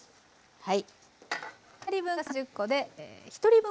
はい。